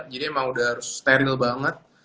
jadi emang udah harus steril banget